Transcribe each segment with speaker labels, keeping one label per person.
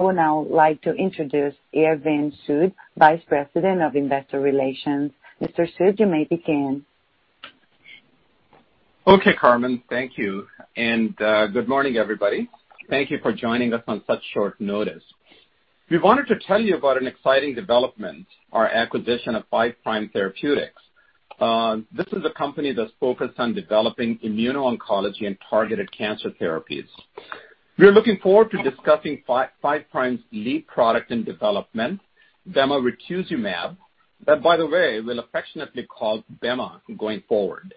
Speaker 1: I would now like to introduce Arvind Sood, Vice President of Investor Relations. Mr. Sood, you may begin.
Speaker 2: Okay, Carmen. Thank you, and good morning, everybody. Thank you for joining us on such short notice. We wanted to tell you about an exciting development, our acquisition of Five Prime Therapeutics. This is a company that's focused on developing immuno-oncology and targeted cancer therapies. We are looking forward to discussing Five Prime's lead product in development, bemarituzumab, that, by the way, we'll affectionately call BEMA going forward.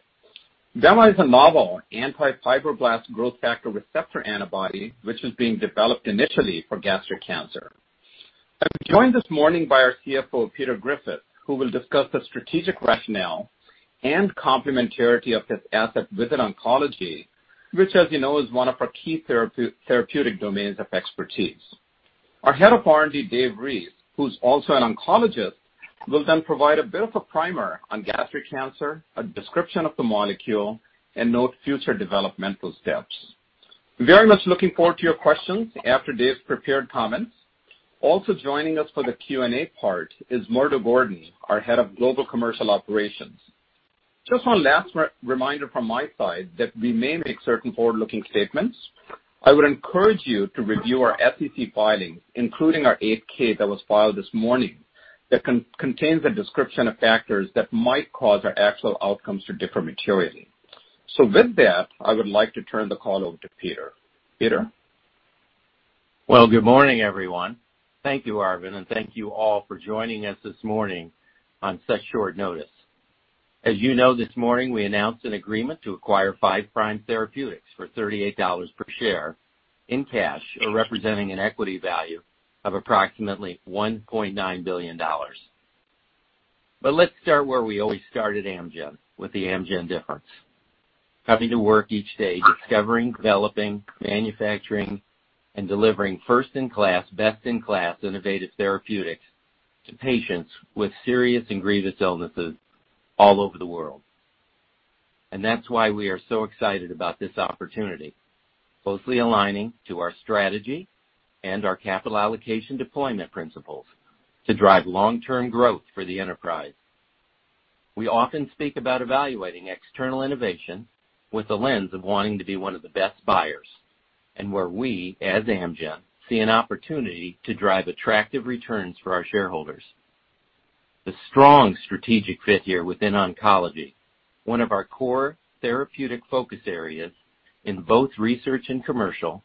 Speaker 2: BEMA is a novel anti-fibroblast growth factor receptor antibody, which is being developed initially for gastric cancer. I'm joined this morning by our CFO, Peter Griffith, who will discuss the strategic rationale and complementarity of this asset within oncology, which, as you know, is one of our key therapeutic domains of expertise. Our Head of R&D, Dave Reese, who's also an oncologist, will then provide a bit of a primer on gastric cancer, a description of the molecule, and note future developmental steps. Very much looking forward to your questions after Dave's prepared comments. Also joining us for the Q&A part is Murdo Gordon, our Head of Global Commercial Operations. Just one last reminder from my side that we may make certain forward-looking statements. I would encourage you to review our SEC filings, including our 8-K that was filed this morning, that contains a description of factors that might cause our actual outcomes to differ materially. With that, I would like to turn the call over to Peter. Peter?
Speaker 3: Well, good morning, everyone. Thank you, Arvind, and thank you all for joining us this morning on such short notice. As you know, this morning, we announced an agreement to acquire Five Prime Therapeutics for $38 per share in cash or representing an equity value of approximately $1.9 billion. Let's start where we always start at Amgen, with the Amgen difference. Coming to work each day discovering, developing, manufacturing, and delivering first-in-class, best-in-class innovative therapeutics to patients with serious and grievous illnesses all over the world. That's why we are so excited about this opportunity, closely aligning to our strategy and our capital allocation deployment principles to drive long-term growth for the enterprise. We often speak about evaluating external innovation with the lens of wanting to be one of the best buyers, and where we, as Amgen, see an opportunity to drive attractive returns for our shareholders. The strong strategic fit here within oncology, one of our core therapeutic focus areas in both research and commercial,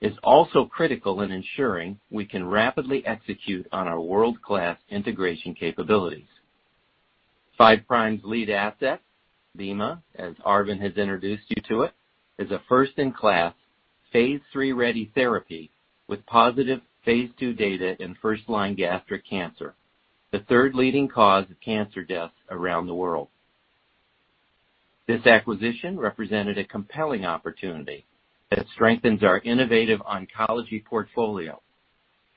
Speaker 3: is also critical in ensuring we can rapidly execute on our world-class integration capabilities. Five Prime's lead asset, BEMA, as Arvind has introduced you to it, is a first-in-class, phase III-ready therapy with positive phase II data in first-line gastric cancer, the third leading cause of cancer deaths around the world. This acquisition represented a compelling opportunity that strengthens our innovative oncology portfolio,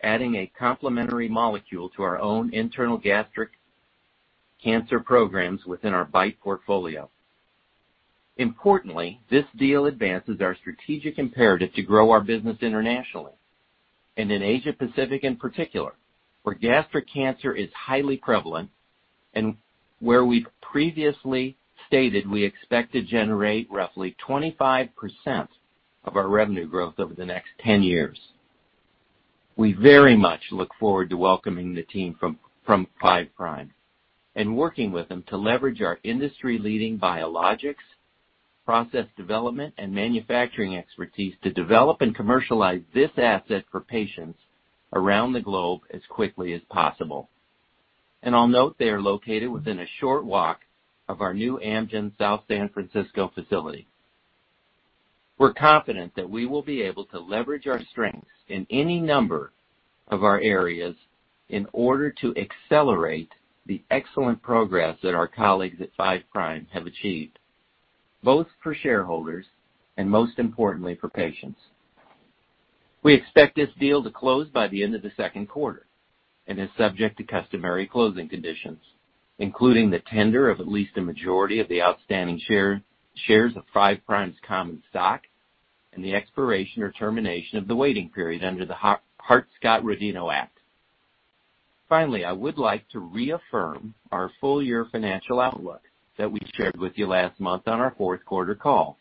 Speaker 3: adding a complementary molecule to our own internal gastric cancer programs within our BiTE portfolio. Importantly, this deal advances our strategic imperative to grow our business internationally and in Asia Pacific in particular, where gastric cancer is highly prevalent and where we've previously stated we expect to generate roughly 25% of our revenue growth over the next 10 years. We very much look forward to welcoming the team from Five Prime and working with them to leverage our industry-leading biologics, process development, and manufacturing expertise to develop and commercialize this asset for patients around the globe as quickly as possible. I'll note they are located within a short walk of our new Amgen South San Francisco facility. We're confident that we will be able to leverage our strengths in any number of our areas in order to accelerate the excellent progress that our colleagues at Five Prime have achieved, both for shareholders and, most importantly, for patients. We expect this deal to close by the end of the second quarter and is subject to customary closing conditions, including the tender of at least a majority of the outstanding shares of Five Prime's common stock and the expiration or termination of the waiting period under the Hart-Scott-Rodino Act. Finally, I would like to reaffirm our full-year financial outlook that we shared with you last month on our fourth quarter call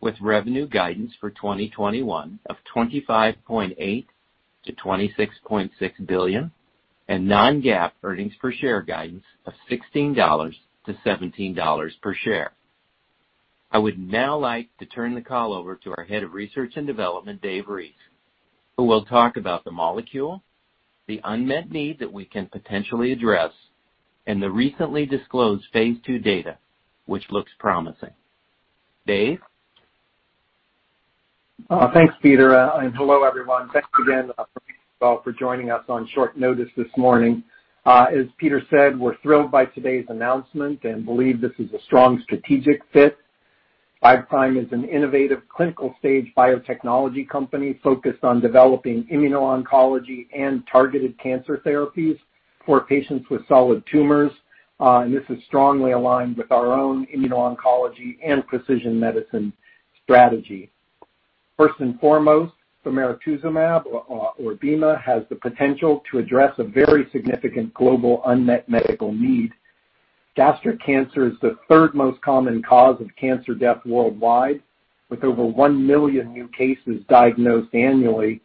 Speaker 3: with revenue guidance for 2021 of $25.8 billion-$26.6 billion and non-GAAP earnings per share guidance of $16-$17 per share. I would now like to turn the call over to our Head of Research and Development, Dave Reese, who will talk about the molecule, the unmet need that we can potentially address, and the recently disclosed phase II data, which looks promising. Dave?
Speaker 4: Thanks, Peter. Hello, everyone. Thanks again for joining us on short notice this morning. As Peter said, we're thrilled by today's announcement and believe this is a strong strategic fit. Five Prime is an innovative clinical-stage biotechnology company focused on developing immuno-oncology and targeted cancer therapies for patients with solid tumors. This is strongly aligned with our own immuno-oncology and precision medicine strategy. First and foremost, bemarituzumab, or BEMA, has the potential to address a very significant global unmet medical need. Gastric cancer is the third most common cause of cancer death worldwide, with over 1 million new cases diagnosed annually.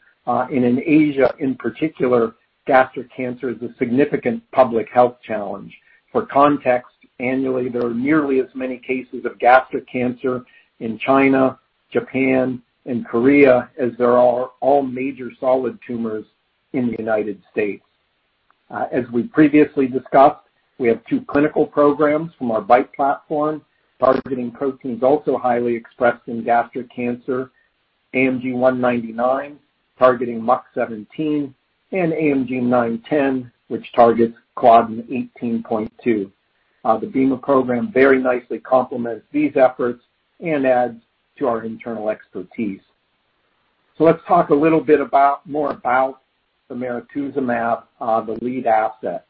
Speaker 4: In Asia, in particular, gastric cancer is a significant public health challenge. For context, annually, there are nearly as many cases of gastric cancer in China, Japan, and Korea as there are all major solid tumors in the U.S. As we previously discussed, we have two clinical programs from our BiTE platform targeting proteins also highly expressed in gastric cancer, AMG 199, targeting MUC17, and AMG 910, which targets claudin 18.2. The BEMA program very nicely complements these efforts and adds to our internal expertise. Let's talk a little bit more about bemarituzumab, the lead asset.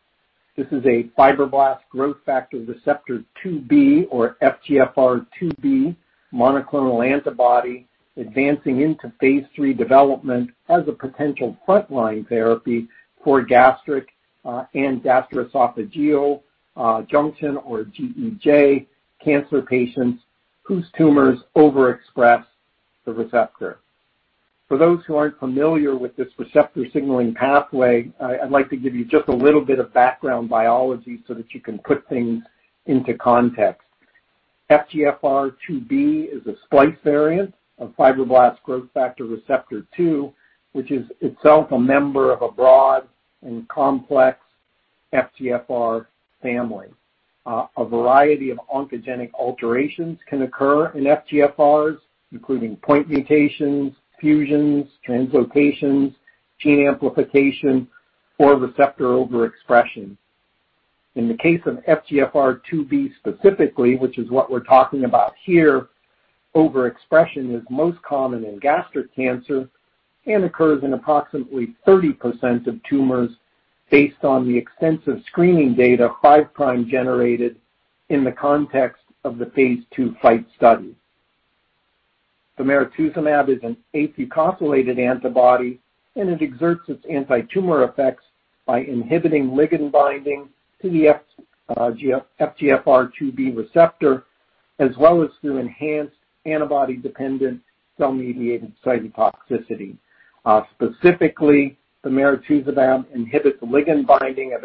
Speaker 4: This is a fibroblast growth factor receptor 2B, or FGFR2b, monoclonal antibody advancing into phase III development as a potential frontline therapy for gastric and gastroesophageal junction, or GEJ, cancer patients whose tumors overexpress the receptor. For those who aren't familiar with this receptor signaling pathway, I'd like to give you just a little bit of background biology so that you can put things into context. FGFR2b is a splice variant of fibroblast growth factor receptor two, which is itself a member of a broad and complex FGFR family. A variety of oncogenic alterations can occur in FGFRs, including point mutations, fusions, translocations, gene amplification, or receptor overexpression. In the case of FGFR2b specifically, which is what we're talking about here, overexpression is most common in gastric cancer and occurs in approximately 30% of tumors based on the extensive screening data Five Prime generated in the context of the phase II FIGHT study. bemarituzumab is an afucosylated antibody, and it exerts its antitumor effects by inhibiting ligand binding to the FGFR2b receptor, as well as through enhanced antibody-dependent, cell-mediated cytotoxicity. Specifically, bemarituzumab inhibits the ligand binding of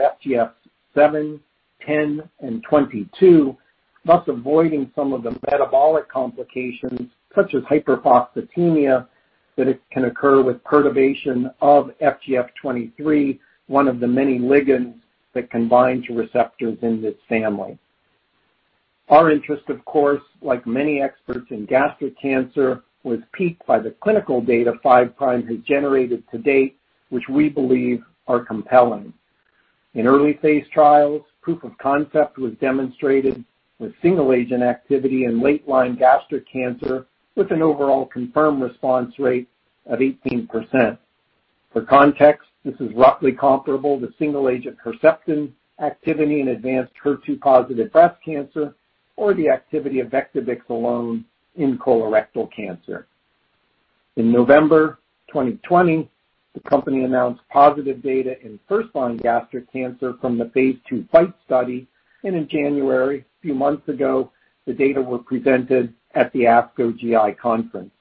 Speaker 4: FGF7, 10, and 22, thus avoiding some of the metabolic complications, such as hypophosphatemia, that can occur with perturbation of FGF23, one of the many ligands that can bind to receptors in this family. Our interest, of course, like many experts in gastric cancer, was piqued by the clinical data Five Prime has generated to date, which we believe are compelling. In early phase trials, proof of concept was demonstrated with single-agent activity in late-line gastric cancer with an overall confirmed response rate of 18%. For context, this is roughly comparable to single-agent Herceptin activity in advanced HER2-positive breast cancer or the activity of Vectibix alone in colorectal cancer. In November 2020, the company announced positive data in first-line gastric cancer from the phase II FIGHT study. In January, a few months ago, the data were presented at the ASCO GI conference.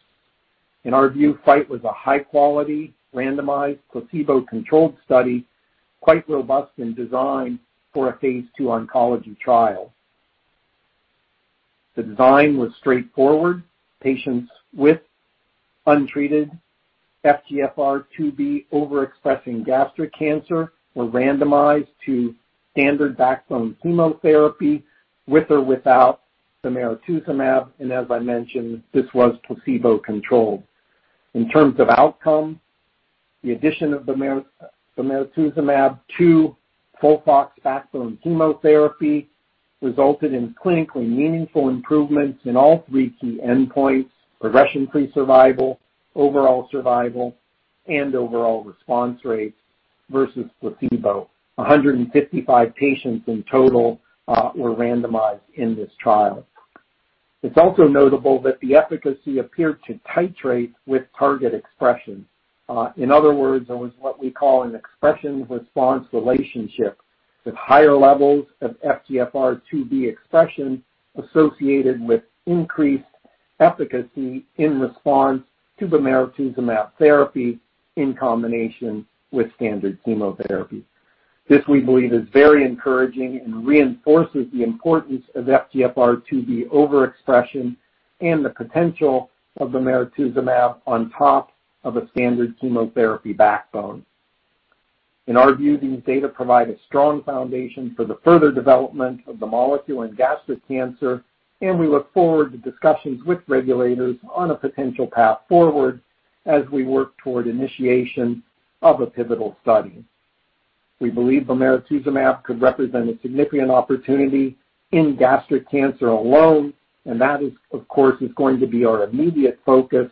Speaker 4: In our view, FIGHT was a high-quality, randomized, placebo-controlled study, quite robust in design for a phase II oncology trial. The design was straightforward. Patients with untreated FGFR2b overexpressing gastric cancer were randomized to standard backbone chemotherapy with or without bemarituzumab. As I mentioned, this was placebo-controlled. In terms of outcome, the addition of bemarituzumab to FOLFOX backbone chemotherapy resulted in clinically meaningful improvements in all three key endpoints, progression-free survival, overall survival, and overall response rates versus placebo. 155 patients in total were randomized in this trial. It's also notable that the efficacy appeared to titrate with target expression. In other words, there was what we call an expression-response relationship, with higher levels of FGFR2b expression associated with increased efficacy in response to bemarituzumab therapy in combination with standard chemotherapy. This, we believe, is very encouraging and reinforces the importance of FGFR2b overexpression and the potential of bemarituzumab on top of a standard chemotherapy backbone. In our view, these data provide a strong foundation for the further development of the molecule in gastric cancer, and we look forward to discussions with regulators on a potential path forward as we work toward initiation of a pivotal study. We believe bemarituzumab could represent a significant opportunity in gastric cancer alone, and that, of course, is going to be our immediate focus.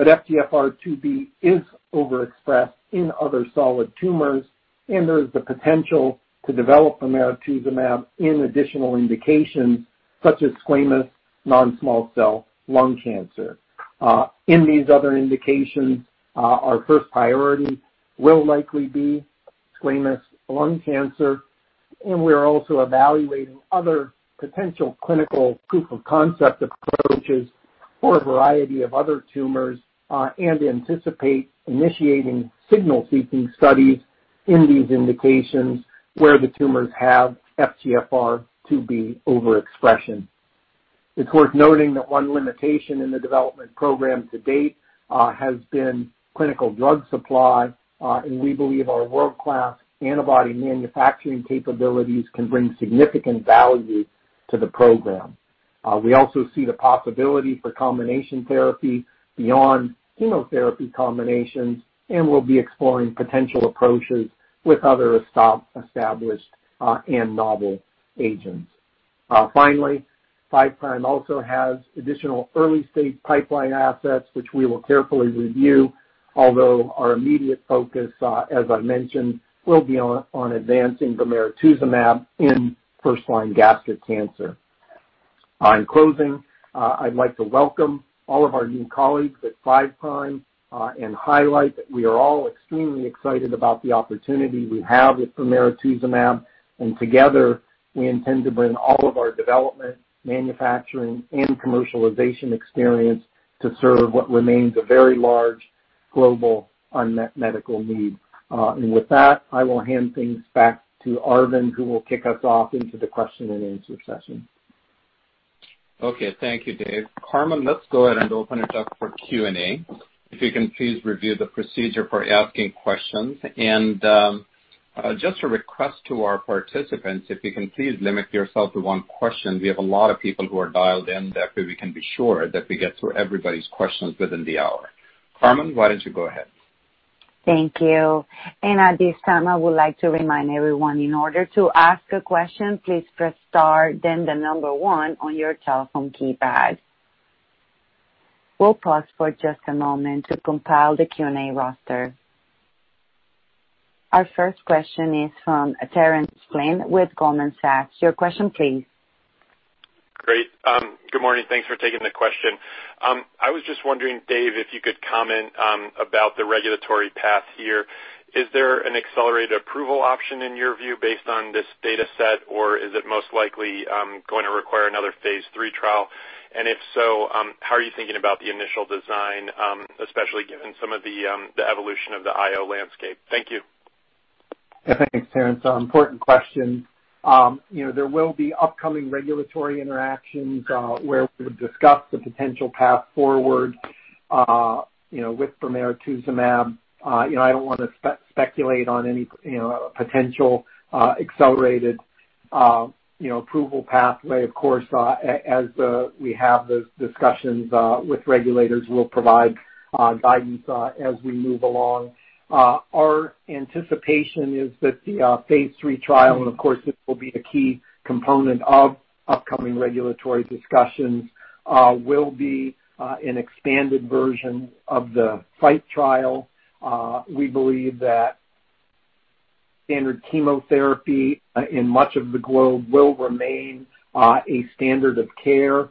Speaker 4: FGFR2b is overexpressed in other solid tumors, and there is the potential to develop bemarituzumab in additional indications such as squamous non-small cell lung cancer. In these other indications, our first priority will likely be squamous lung cancer, and we are also evaluating other potential clinical proof of concept approaches for a variety of other tumors and anticipate initiating signal seeking studies in these indications where the tumors have FGFR2b overexpression. It's worth noting that one limitation in the development program to date has been clinical drug supply, and we believe our world-class antibody manufacturing capabilities can bring significant value to the program. We also see the possibility for combination therapy beyond chemotherapy combinations, and we'll be exploring potential approaches with other established and novel agents. Finally, Five Prime also has additional early-stage pipeline assets, which we will carefully review, although our immediate focus, as I mentioned, will be on advancing bemarituzumab in first-line gastric cancer. In closing, I'd like to welcome all of our new colleagues at Five Prime and highlight that we are all extremely excited about the opportunity we have with bemarituzumab, and together, we intend to bring all of our development, manufacturing, and commercialization experience to serve what remains a very large global unmet medical need. With that, I will hand things back to Arvind, who will kick us off into the question and answer session.
Speaker 2: Okay. Thank you, Dave. Carmen, let's go ahead and open it up for Q&A. If you can please review the procedure for asking questions. Just a request to our participants, if you can please limit yourself to one question, we have a lot of people who are dialed in, that way we can be sure that we get through everybody's questions within the hour. Carmen, why don't you go ahead?
Speaker 1: Thank you. At this time, I would like to remind everyone, in order to ask a question, please press star then the number one on your telephone keypad. We'll pause for just a moment to compile the Q&A roster. Our first question is from Terence Flynn with Goldman Sachs. Your question please.
Speaker 5: Great. Good morning. Thanks for taking the question. I was just wondering, Dave, if you could comment about the regulatory path here. Is there an accelerated approval option in your view based on this data set, or is it most likely going to require another phase III trial? If so, how are you thinking about the initial design, especially given some of the evolution of the IO landscape? Thank you.
Speaker 4: Thanks, Terence. Important question. There will be upcoming regulatory interactions where we'll discuss the potential path forward with bemarituzumab. I don't want to speculate on any potential accelerated approval pathway. Of course, as we have those discussions with regulators, we'll provide guidance as we move along. Our anticipation is that the phase III trial, and of course, this will be a key component of upcoming regulatory discussions will be an expanded version of the FIGHT trial. We believe that standard chemotherapy in much of the globe will remain a standard of care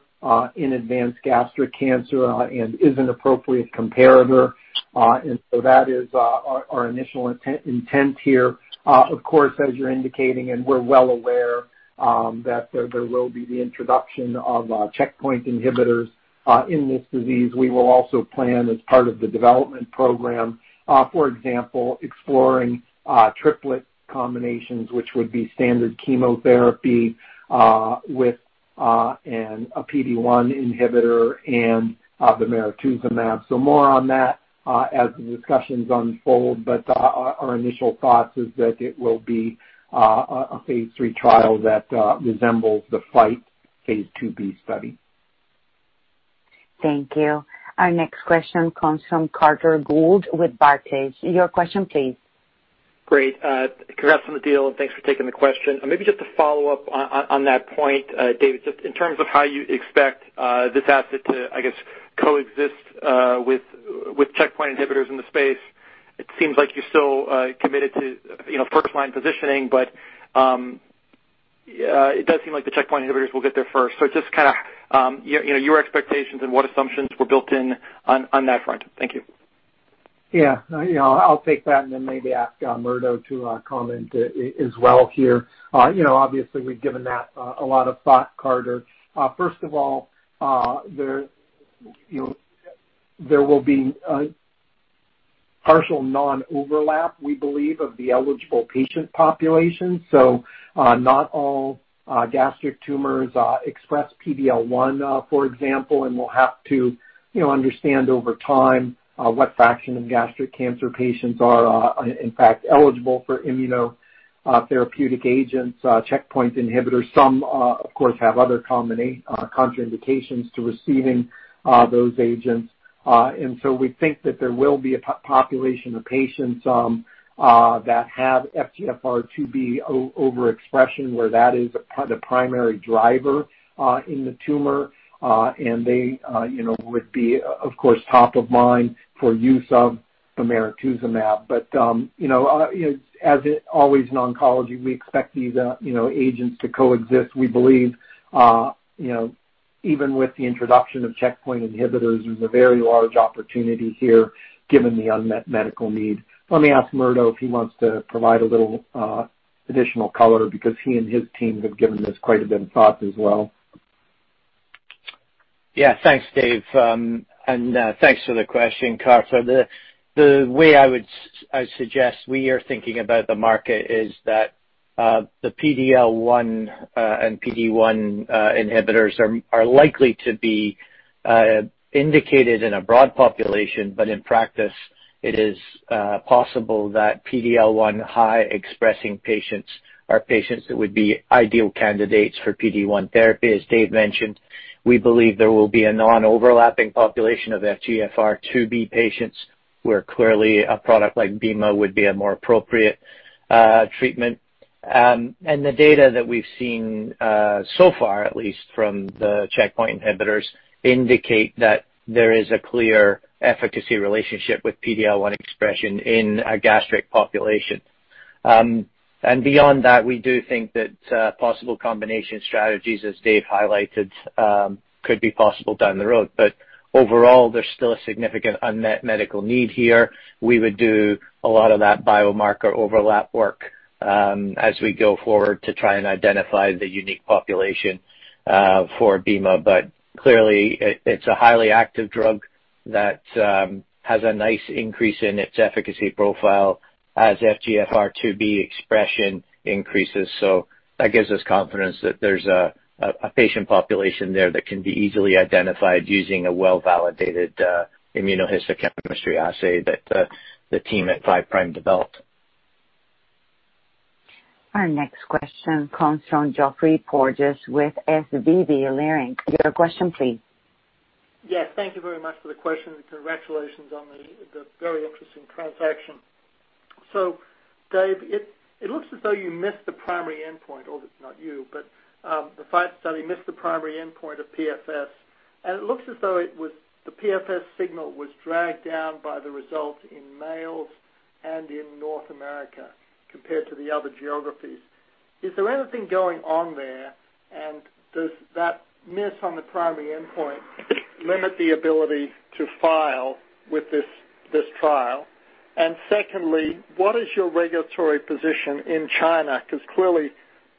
Speaker 4: in advanced gastric cancer and is an appropriate comparator. That is our initial intent here. Of course, as you're indicating, and we're well aware that there will be the introduction of checkpoint inhibitors in this disease. We will also plan as part of the development program, for example, exploring triplet combinations, which would be standard chemotherapy with a PD-1 inhibitor and bemarituzumab. More on that as the discussions unfold, but our initial thoughts is that it will be a phase III trial that resembles the FIGHT phase II-B study.
Speaker 1: Thank you. Our next question comes from Carter Gould with Barclays. Your question please.
Speaker 6: Great. Congrats on the deal, and thanks for taking the question. Maybe just to follow up on that point, Dave, just in terms of how you expect this asset to, I guess, coexist with checkpoint inhibitors in the space. It seems like you're still committed to first-line positioning, but it does seem like the checkpoint inhibitors will get there first. Just your expectations and what assumptions were built in on that front. Thank you.
Speaker 4: I'll take that and then maybe ask Murdo to comment as well here. Obviously, we've given that a lot of thought, Carter. First of all, there will be a partial non-overlap, we believe, of the eligible patient population. Not all gastric tumors express PD-L1, for example, and we'll have to understand over time what fraction of gastric cancer patients are in fact eligible for immunotherapeutic agents, checkpoint inhibitors. Some, of course, have other contraindications to receiving those agents. We think that there will be a population of patients that have FGFR2b overexpression, where that is the primary driver in the tumor, and they would be, of course, top of mind for use of bemarituzumab. As always in oncology, we expect these agents to coexist. We believe even with the introduction of checkpoint inhibitors, there's a very large opportunity here given the unmet medical need. Let me ask Murdo if he wants to provide a little additional color, because he and his team have given this quite a bit of thought as well.
Speaker 7: Thanks, Dave. Thanks for the question, Carter. The way I suggest we are thinking about the market is that the PD-L1 and PD-1 inhibitors are likely to be indicated in a broad population, but in practice, it is possible that PD-L1 high-expressing patients are patients that would be ideal candidates for PD-1 therapy. As Dave mentioned, we believe there will be a non-overlapping population of FGFR2b patients where clearly a product like BEMA would be a more appropriate treatment. The data that we've seen so far, at least from the checkpoint inhibitors, indicate that there is a clear efficacy relationship with PD-L1 expression in a gastric population. Beyond that, we do think that possible combination strategies, as Dave highlighted, could be possible down the road. Overall, there's still a significant unmet medical need here. We would do a lot of that biomarker overlap work as we go forward to try and identify the unique population for BEMA. Clearly, it's a highly active drug that has a nice increase in its efficacy profile as FGFR2b expression increases. That gives us confidence that there's a patient population there that can be easily identified using a well-validated immunohistochemistry assay that the team at Five Prime developed.
Speaker 1: Our next question comes from Geoffrey Porges with SVB Leerink. Your question, please.
Speaker 8: Yes. Thank you very much for the question and congratulations on the very interesting transaction. Dave, it looks as though you missed the primary endpoint, or it's not you, but the FIGHT study missed the primary endpoint of PFS, and it looks as though the PFS signal was dragged down by the results in males and in North America compared to the other geographies. Does that miss on the primary endpoint limit the ability to file with this trial? Secondly, what is your regulatory position in China? Because clearly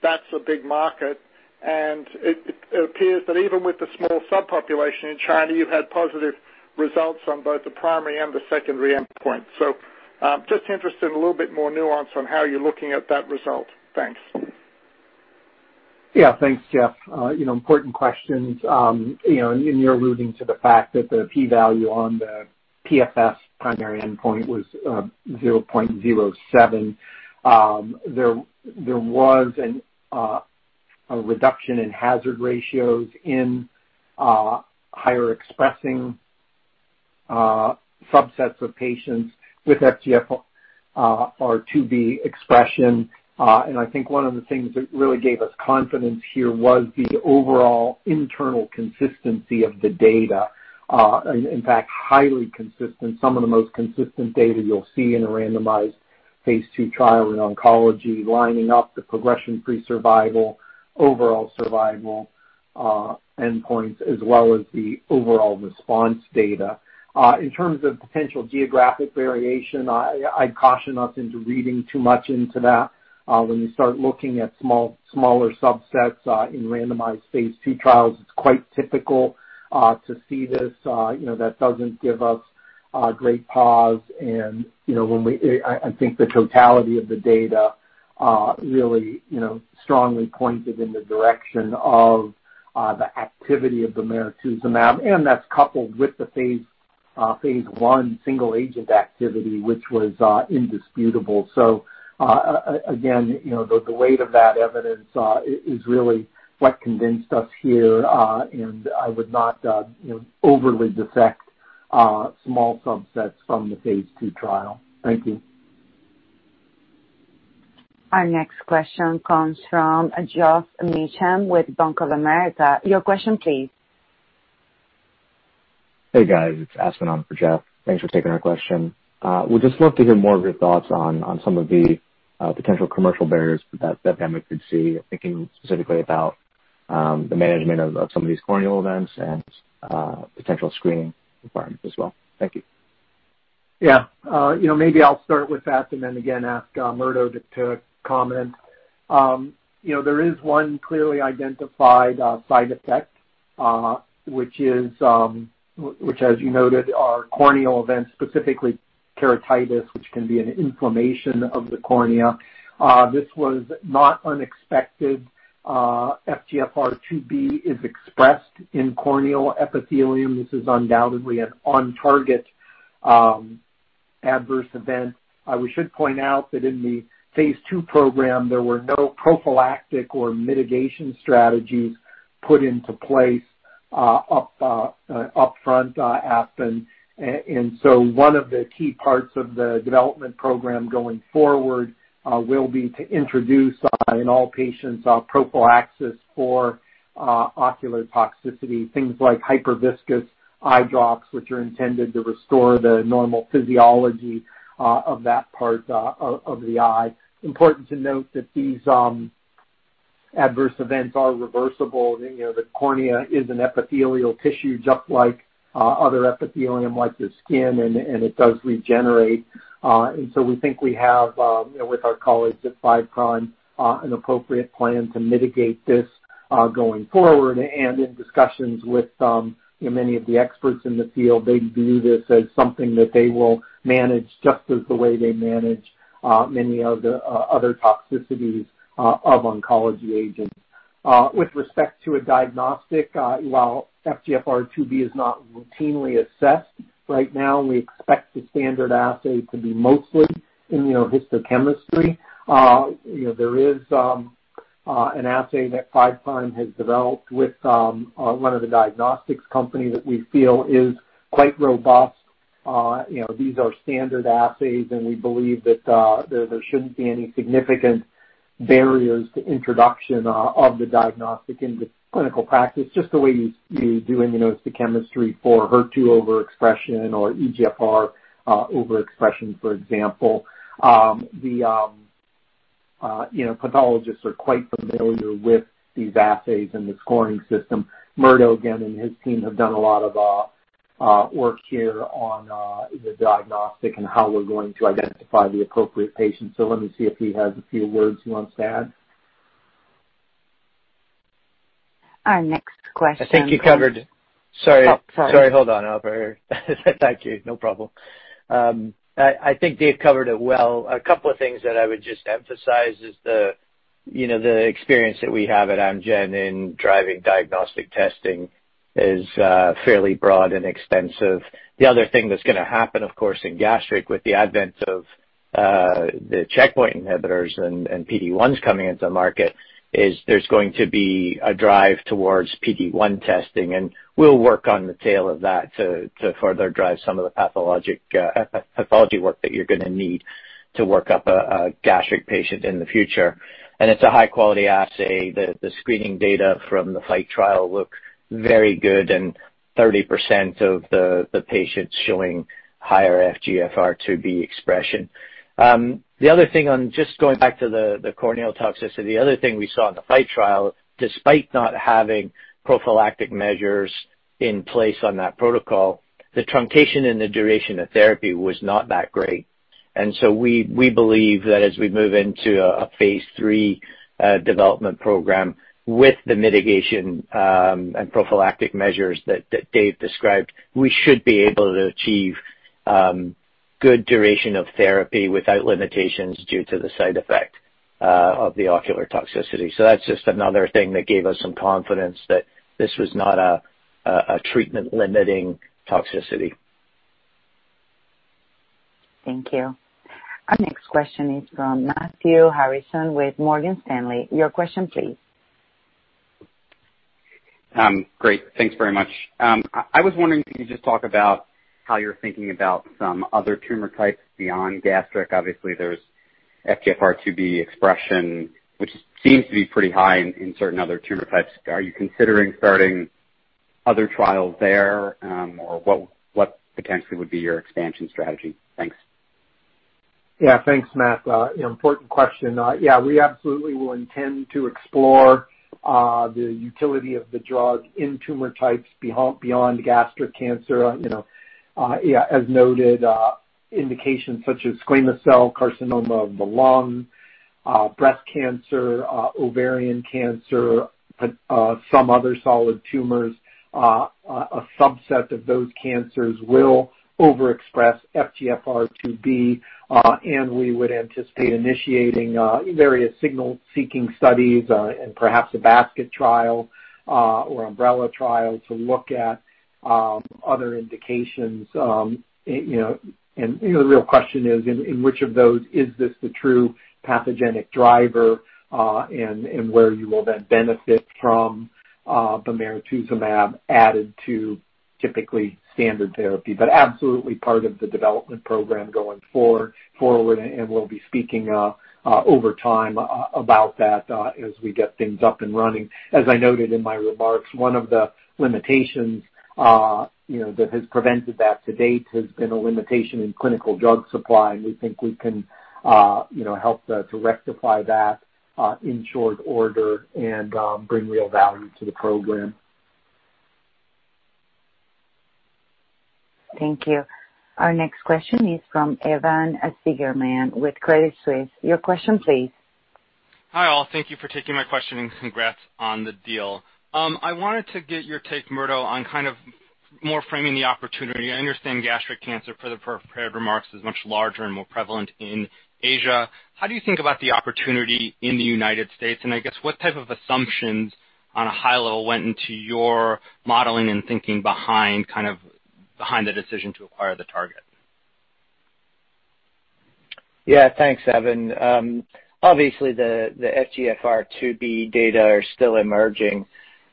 Speaker 8: that's a big market, and it appears that even with the small subpopulation in China, you've had positive results on both the primary and the secondary endpoint. Just interested in a little bit more nuance on how you're looking at that result. Thanks.
Speaker 4: Yeah. Thanks, Geoff. Important questions. You're alluding to the fact that the P value on the PFS primary endpoint was 0.07. There was a reduction in hazard ratios in higher expressing subsets of patients with FGFR2b expression. I think one of the things that really gave us confidence here was the overall internal consistency of the data. In fact, highly consistent, some of the most consistent data you'll see in a randomized phase II trial in oncology lining up the progression-free survival, overall survival endpoints, as well as the overall response data. In terms of potential geographic variation, I'd caution us into reading too much into that. When you start looking at smaller subsets in randomized phase II trials, it's quite typical to see this. That doesn't give us great pause and I think the totality of the data really strongly pointed in the direction of the activity of bemarituzumab, and that's coupled with the phase I single agent activity, which was indisputable. Again, the weight of that evidence is really what convinced us here. I would not overly dissect small subsets from the phase II trial. Thank you.
Speaker 1: Our next question comes from Geoff Meacham with Bank of America. Your question, please.
Speaker 9: Hey, guys. It's Aspen for Geoff. Thanks for taking our question. We'd just love to hear more of your thoughts on some of the potential commercial barriers that BEMA could see, thinking specifically about the management of some of these corneal events and potential screening requirements as well. Thank you.
Speaker 4: Yeah. Maybe I'll start with that and then again ask Murdo to comment. There is one clearly identified side effect, which as you noted, are corneal events, specifically keratitis, which can be an inflammation of the cornea. This was not unexpected. FGFR2b is expressed in corneal epithelium. This is undoubtedly an on-target adverse event. We should point out that in the phase II program, there were no prophylactic or mitigation strategies put into place upfront, Aspen. One of the key parts of the development program going forward will be to introduce in all patients, prophylaxis for ocular toxicity, things like hyperviscous eye drops, which are intended to restore the normal physiology of that part of the eye. Important to note that these adverse events are reversible. The cornea is an epithelial tissue, just like other epithelium, like the skin, and it does regenerate. We think we have, with our colleagues at Five Prime, an appropriate plan to mitigate this going forward. In discussions with many of the experts in the field, they view this as something that they will manage, just as the way they manage many of the other toxicities of oncology agents. With respect to a diagnostic, while FGFR2b is not routinely assessed right now, we expect the standard assay to be mostly immunohistochemistry. There is an assay that Five Prime has developed with one of the diagnostics company that we feel is quite robust. These are standard assays, we believe that there shouldn't be any significant barriers to introduction of the diagnostic into clinical practice, just the way you do immunohistochemistry for HER2 overexpression or EGFR overexpression, for example. Pathologists are quite familiar with these assays and the scoring system. Murdo, again, and his team have done a lot of work here on the diagnostic and how we're going to identify the appropriate patients. Let me see if he has a few words he wants to add.
Speaker 1: Our next question.
Speaker 7: I think you covered it. Sorry.
Speaker 1: Oh, sorry.
Speaker 7: Sorry, hold on, operator. Thank you. No problem. I think Dave covered it well. A couple of things that I would just emphasize is the experience that we have at Amgen in driving diagnostic testing is fairly broad and extensive. The other thing that's going to happen, of course, in gastric with the advent of the checkpoint inhibitors and PD-1s coming into market is there's going to be a drive towards PD-1 testing, and we'll work on the tail of that to further drive some of the pathology work that you're going to need to work up a gastric patient in the future. It's a high-quality assay. The screening data from the FIGHT trial looked very good and 30% of the patients showing higher FGFR2b expression. Just going back to the corneal toxicity, the other thing we saw in the FIGHT trial, despite not having prophylactic measures in place on that protocol, the truncation and the duration of therapy was not that great. We believe that as we move into a phase III development program with the mitigation and prophylactic measures that Dave described, we should be able to achieve good duration of therapy without limitations due to the side effect of the ocular toxicity. That's just another thing that gave us some confidence that this was not a treatment-limiting toxicity.
Speaker 1: Thank you. Our next question is from Matthew Harrison with Morgan Stanley. Your question, please.
Speaker 10: Great. Thanks very much. I was wondering if you could just talk about how you're thinking about some other tumor types beyond gastric. Obviously, there's FGFR2b expression, which seems to be pretty high in certain other tumor types. Are you considering starting other trials there? What potentially would be your expansion strategy? Thanks.
Speaker 4: Thanks, Matt. Important question. We absolutely will intend to explore the utility of the drug in tumor types beyond gastric cancer. As noted, indications such as squamous cell carcinoma of the lung, breast cancer, ovarian cancer, some other solid tumors, a subset of those cancers will overexpress FGFR2b, and we would anticipate initiating various signal-seeking studies and perhaps a basket trial or umbrella trial to look at other indications. The real question is, in which of those is this the true pathogenic driver, and where you will then benefit from bemarituzumab added to typically standard therapy. Absolutely part of the development program going forward, and we'll be speaking over time about that as we get things up and running. As I noted in my remarks, one of the limitations that has prevented that to date has been a limitation in clinical drug supply, and we think we can help to rectify that in short order and bring real value to the program.
Speaker 1: Thank you. Our next question is from Evan Seigerman with Credit Suisse. Your question, please.
Speaker 11: Hi, all. Thank you for taking my question, and congrats on the deal. I wanted to get your take, Murdo, on more framing the opportunity. I understand gastric cancer, per the prepared remarks, is much larger and more prevalent in Asia. How do you think about the opportunity in the United States, and I guess what type of assumptions on a high level went into your modeling and thinking behind the decision to acquire the target?
Speaker 7: Yeah. Thanks, Evan. Obviously, the FGFR2b data are still emerging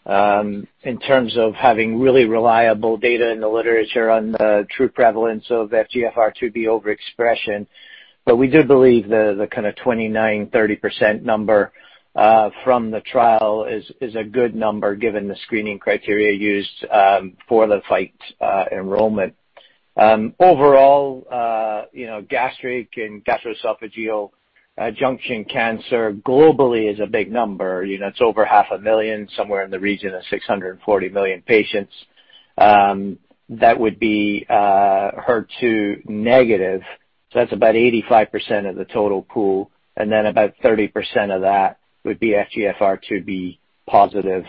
Speaker 7: in terms of having really reliable data in the literature on the true prevalence of FGFR2b overexpression. We do believe the kind of 29, 30% number from the trial is a good number given the screening criteria used for the FIGHT enrollment. Overall, gastric and gastroesophageal junction cancer globally is a big number. It's over half a million, somewhere in the region of 640million patients. That would be HER2 negative, so that's about 85% of the total pool, and then about 30% of that would be FGFR2b positive.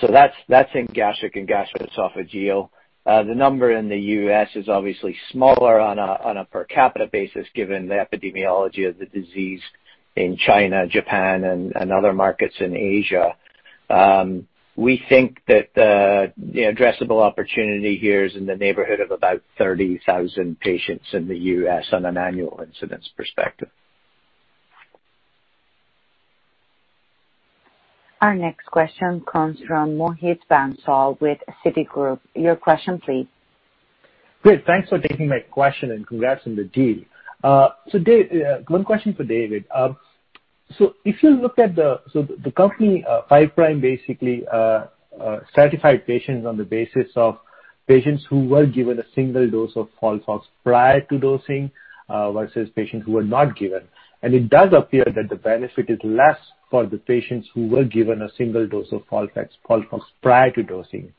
Speaker 7: That's in gastric and gastroesophageal. The number in the U.S. is obviously smaller on a per capita basis given the epidemiology of the disease in China, Japan, and other markets in Asia. We think that the addressable opportunity here is in the neighborhood of about 30,000 patients in the U.S. on an annual incidence perspective.
Speaker 1: Our next question comes from Mohit Bansal with Citigroup. Your question please.
Speaker 12: Great. Thanks for taking my question and congrats on the deal. One question for David. If you look at the company, Five Prime basically certified patients on the basis of patients who were given a single dose of FOLFOX prior to dosing, versus patients who were not given. It does appear that the benefit is less for the patients who were given a single dose of FOLFOX prior to dosing.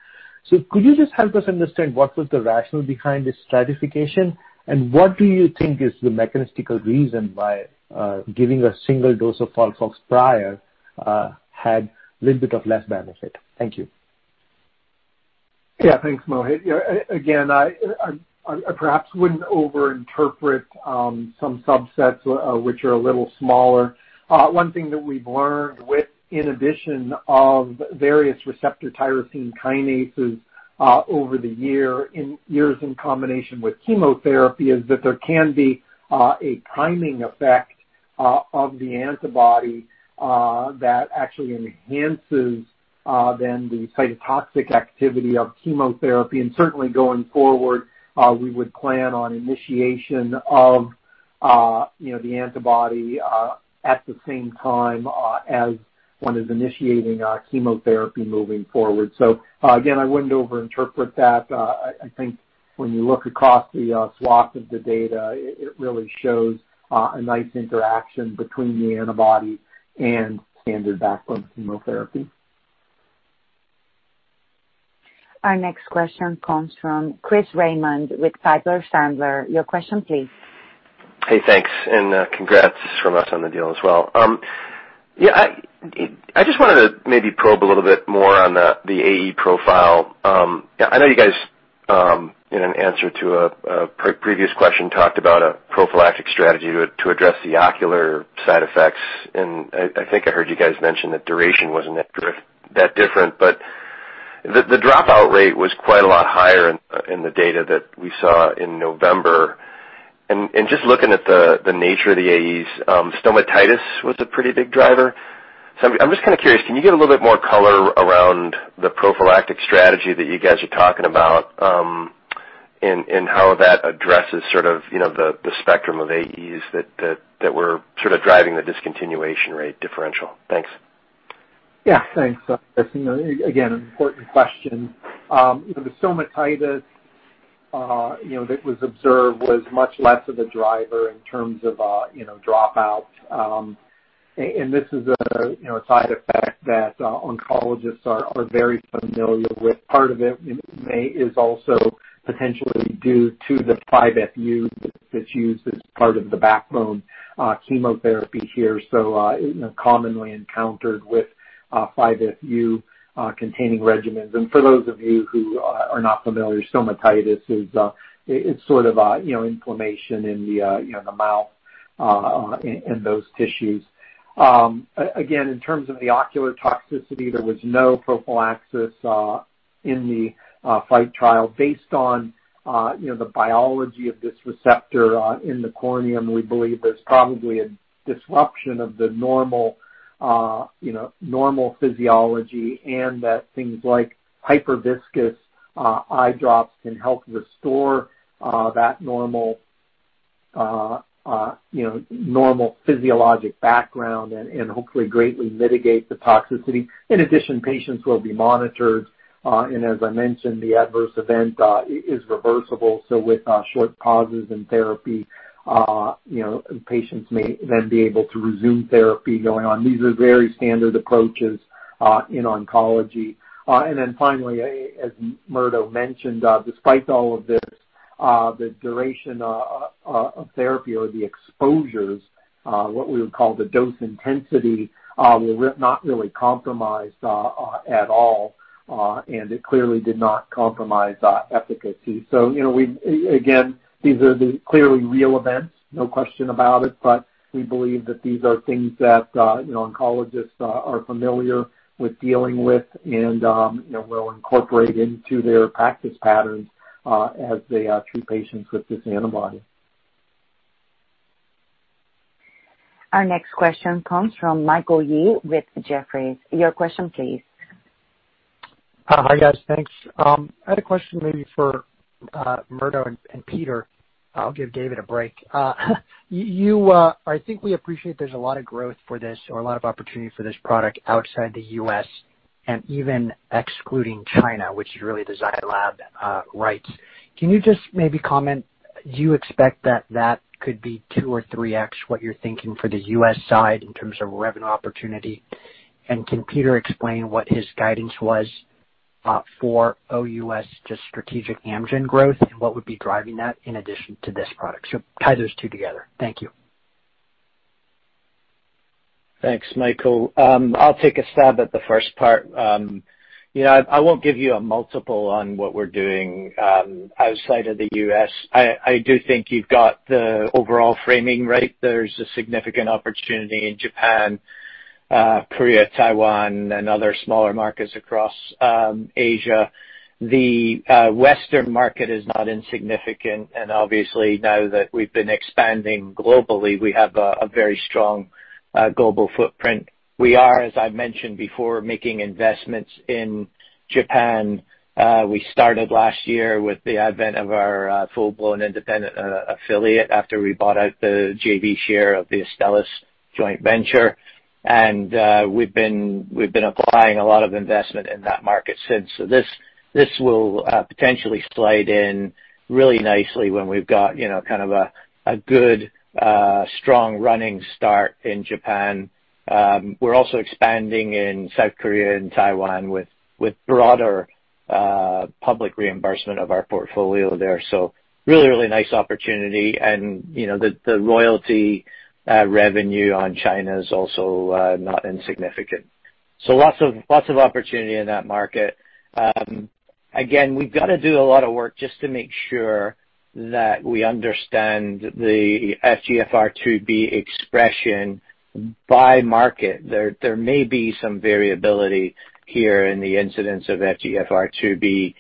Speaker 12: Could you just help us understand what was the rationale behind this stratification, and what do you think is the mechanistic reason why giving a single dose of FOLFOX prior had a little bit of less benefit? Thank you.
Speaker 4: Thanks, Mohit. Again, I perhaps wouldn't over-interpret some subsets which are a little smaller. One thing that we've learned with inhibition of various receptor tyrosine kinases over the years in combination with chemotherapy is that there can be a timing effect of the antibody that actually enhances then the cytotoxic activity of chemotherapy. Certainly going forward, we would plan on initiation of the antibody at the same time as one is initiating chemotherapy moving forward. Again, I wouldn't over-interpret that. I think when you look across the swath of the data, it really shows a nice interaction between the antibody and standard backbone chemotherapy.
Speaker 1: Our next question comes from Chris Raymond with Piper Sandler. Your question please.
Speaker 13: Hey, thanks and congrats from us on the deal as well. I just wanted to maybe probe a little bit more on the AE profile. I know you guys, in an answer to a previous question, talked about a prophylactic strategy to address the ocular side effects, and I think I heard you guys mention that duration wasn't that different, but the dropout rate was quite a lot higher in the data that we saw in November. Just looking at the nature of the AEs, stomatitis was a pretty big driver. I'm just kind of curious, can you give a little bit more color around the prophylactic strategy that you guys are talking about and how that addresses the spectrum of AEs that were driving the discontinuation rate differential? Thanks.
Speaker 4: Yeah. Thanks. Again, an important question. The stomatitis that was observed was much less of a driver in terms of dropout. This is a side effect that oncologists are very familiar with. Part of it is also potentially due to the 5-FU that's used as part of the backbone chemotherapy here. Commonly encountered with 5-FU-containing regimens. For those of you who are not familiar, stomatitis is inflammation in the mouth, in those tissues. Again, in terms of the ocular toxicity, there was no prophylaxis in the FIGHT trial based on the biology of this receptor in the cornea. We believe there's probably a disruption of the normal physiology, and that things like hyperviscous eye drops can help restore that normal physiologic background and hopefully greatly mitigate the toxicity. In addition, patients will be monitored, as I mentioned, the adverse event is reversible, with short pauses in therapy, patients may then be able to resume therapy going on. These are very standard approaches in oncology. Then finally, as Murdo mentioned, despite all of this, the duration of therapy or the exposures, what we would call the dose intensity, were not really compromised at all. It clearly did not compromise efficacy. Again, these are clearly real events, no question about it. We believe that these are things that oncologists are familiar with dealing with and will incorporate into their practice patterns as they treat patients with this antibody.
Speaker 1: Our next question comes from Michael Yee with Jefferies. Your question, please.
Speaker 14: Hi, guys. Thanks. I had a question maybe for Murdo and Peter. I'll give David a break. I think we appreciate there's a lot of growth for this or a lot of opportunity for this product outside the U.S. and even excluding China, which is really the Zai Lab rights. Can you just maybe comment, do you expect that that could be 2x or 3x what you're thinking for the U.S. side in terms of revenue opportunity? Can Peter explain what his guidance was for OUS, just strategic Amgen growth, and what would be driving that in addition to this product? Tie those two together. Thank you.
Speaker 7: Thanks, Michael. I'll take a stab at the first part. I won't give you a multiple on what we're doing outside of the U.S. I do think you've got the overall framing right. There's a significant opportunity in Japan, Korea, Taiwan, and other smaller markets across Asia. The Western market is not insignificant. Obviously now that we've been expanding globally, we have a very strong global footprint. We are, as I've mentioned before, making investments in Japan. We started last year with the advent of our full-blown independent affiliate after we bought out the JV share of the Astellas joint venture. We've been applying a lot of investment in that market since. This will potentially slide in really nicely when we've got kind of a good, strong running start in Japan. We're also expanding in South Korea and Taiwan with broader public reimbursement of our portfolio there. Really, really nice opportunity. The royalty revenue on China is also not insignificant. Lots of opportunity in that market. Again, we've got to do a lot of work just to make sure that we understand the FGFR2b expression by market. There may be some variability here in the incidence of FGFR2b.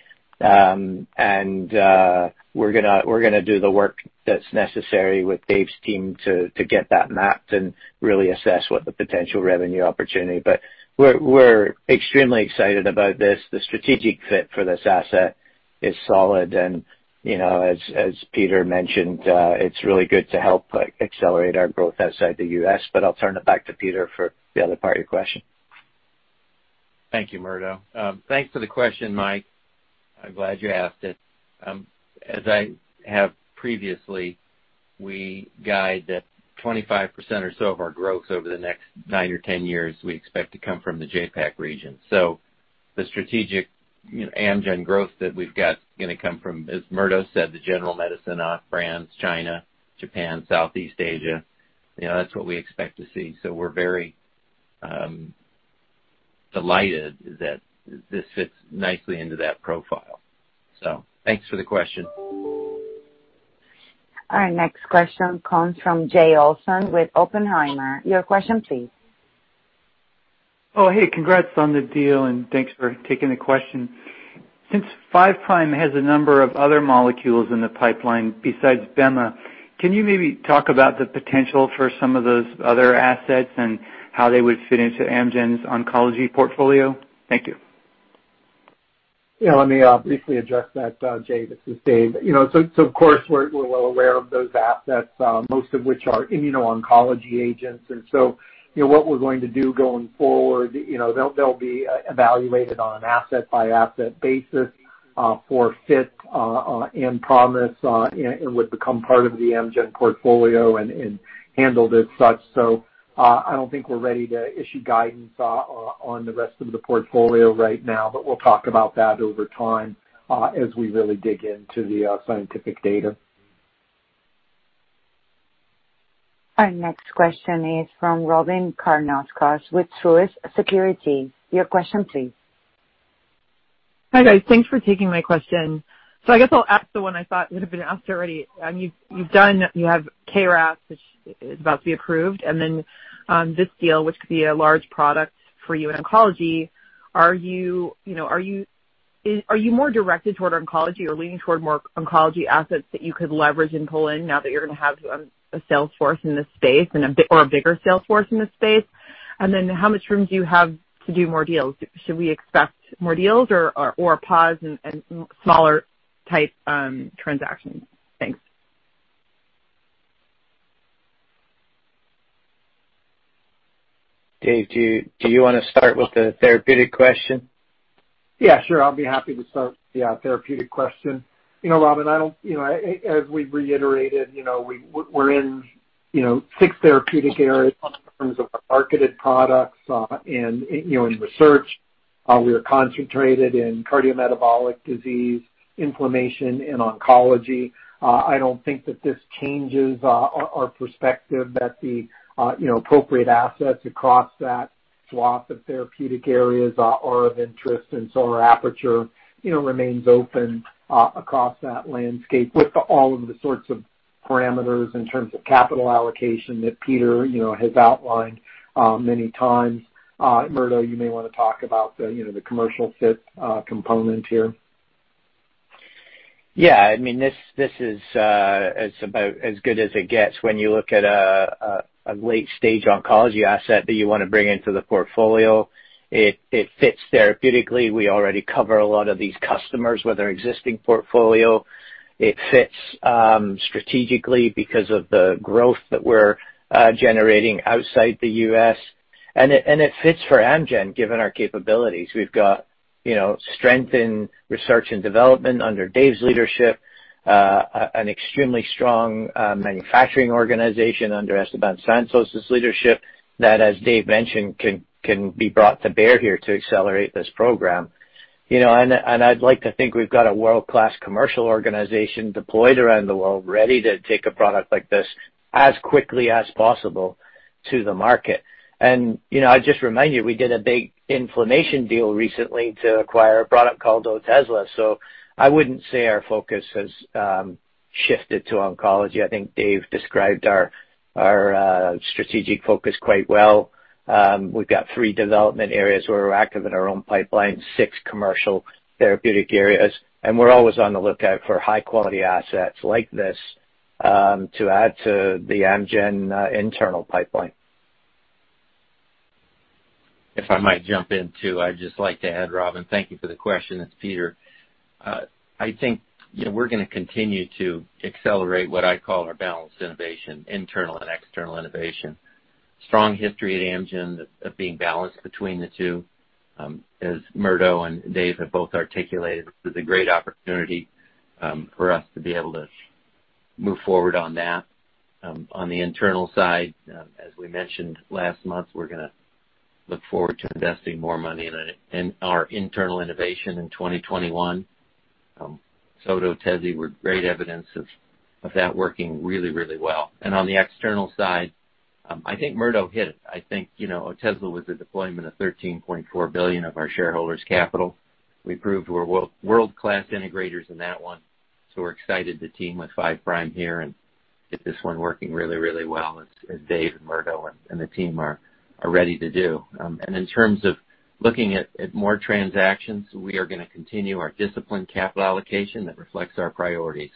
Speaker 7: We're going to do the work that's necessary with Dave's team to get that mapped and really assess what the potential revenue opportunity. We're extremely excited about this. The strategic fit for this asset is solid, and as Peter mentioned, it's really good to help accelerate our growth outside the U.S. I'll turn it back to Peter for the other part of your question.
Speaker 3: Thank you, Murdo. Thanks for the question, Mike. I'm glad you asked it. As I have previously, we guide that 25% or so of our growth over the next nine or 10 years we expect to come from the JPAC region. The strategic Amgen growth that we've got going to come from, as Murdo said, the general medicine off brands, China, Japan, Southeast Asia. That's what we expect to see. We're very delighted that this fits nicely into that profile. Thanks for the question.
Speaker 1: Our next question comes from Jay Olson with Oppenheimer. Your question, please.
Speaker 15: Oh, hey, congrats on the deal, and thanks for taking the question. Since Five Prime has a number of other molecules in the pipeline besides BEMA, can you maybe talk about the potential for some of those other assets and how they would fit into Amgen's oncology portfolio? Thank you.
Speaker 4: Yeah. Let me briefly address that, Jay. This is Dave. Of course, we're well aware of those assets, most of which are immuno-oncology agents. What we're going to do going forward, they'll be evaluated on an asset-by-asset basis for fit and promise and would become part of the Amgen portfolio and handled as such. I don't think we're ready to issue guidance on the rest of the portfolio right now, but we'll talk about that over time as we really dig into the scientific data.
Speaker 1: Our next question is from Robyn Karnauskas with Truist Securities. Your question, please.
Speaker 16: Hi, guys. Thanks for taking my question. I guess I'll ask the one I thought would have been asked already. You have KRAS, which is about to be approved, and then this deal, which could be a large product for you in oncology. Are you more directed toward oncology or leaning toward more oncology assets that you could leverage and pull in now that you're going to have a sales force in this space or a bigger sales force in this space? How much room do you have to do more deals? Should we expect more deals or a pause and smaller type transactions? Thanks.
Speaker 7: Dave, do you want to start with the therapeutic question?
Speaker 4: Yeah, sure. I'll be happy to start the therapeutic question. Robyn, as we reiterated, we're in six therapeutic areas in terms of our marketed products. In research, we are concentrated in cardiometabolic disease, inflammation, and oncology. I don't think that this changes our perspective that the appropriate assets across that swath of therapeutic areas are of interest, our aperture remains open across that landscape with all of the sorts of parameters in terms of capital allocation that Peter has outlined many times. Murdo, you may want to talk about the commercial fit component here.
Speaker 7: Yeah. This is about as good as it gets when you look at a late-stage oncology asset that you want to bring into the portfolio. It fits therapeutically. We already cover a lot of these customers with our existing portfolio. It fits strategically because of the growth that we're generating outside the U.S., and it fits for Amgen, given our capabilities. We've got strength in research and development under Dave's leadership, an extremely strong manufacturing organization under Esteban Santos' leadership that, as Dave mentioned, can be brought to bear here to accelerate this program. I'd like to think we've got a world-class commercial organization deployed around the world ready to take a product like this as quickly as possible to the market. I'd just remind you, we did a big inflammation deal recently to acquire a product called Otezla. I wouldn't say our focus has shifted to oncology. I think Dave described our strategic focus quite well. We've got three development areas where we're active in our own pipeline, six commercial therapeutic areas, and we're always on the lookout for high-quality assets like this to add to the Amgen internal pipeline.
Speaker 3: If I might jump in, too. I'd just like to add, Robyn, thank you for the question. It's Peter. I think we're going to continue to accelerate what I call our balanced innovation, internal and external innovation. Strong history at Amgen of being balanced between the two. As Murdo and Dave have both articulated, this is a great opportunity for us to be able to move forward on that. On the internal side, as we mentioned last month, we're going to look forward to investing more money in our internal innovation in 2021. sotorasib, tezepelumab, were great evidence of that working really well. On the external side, I think Murdo hit it. I think Otezla was a deployment of $13.4 billion of our shareholders' capital. We proved we're world-class integrators in that one. We're excited to team with Five Prime here and get this one working really well as Dave and Murdo and the team are ready to do. In terms of looking at more transactions, we are going to continue our disciplined capital allocation that reflects our priorities.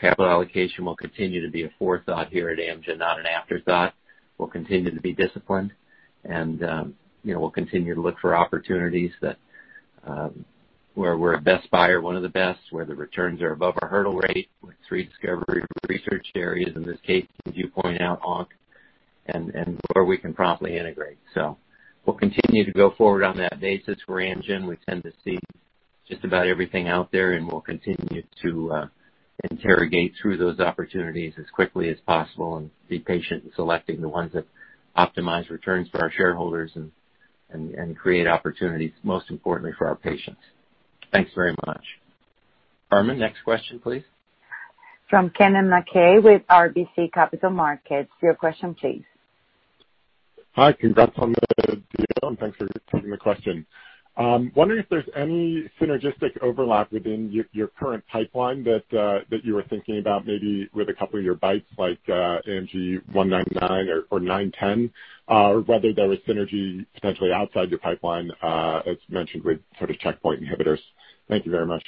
Speaker 3: Capital allocation will continue to be a forethought here at Amgen, not an afterthought. We'll continue to be disciplined and we'll continue to look for opportunities where we're a best buyer, one of the best, where the returns are above our hurdle rate with three discovery research areas, in this case, as you point out, onc, and where we can promptly integrate. We'll continue to go forward on that basis. We're Amgen. We tend to see just about everything out there, and we'll continue to interrogate through those opportunities as quickly as possible and be patient in selecting the ones that optimize returns for our shareholders and create opportunities, most importantly, for our patients. Thanks very much. Carmen, next question, please.
Speaker 1: From Kennen MacKay with RBC Capital Markets. Your question, please.
Speaker 17: Hi. Congrats on the deal, and thanks for taking the question. I'm wondering if there's any synergistic overlap within your current pipeline that you were thinking about, maybe with a couple of your BiTEs, like AMG 199 or AMG 910, or whether there is synergy potentially outside your pipeline, as mentioned with checkpoint inhibitors. Thank you very much.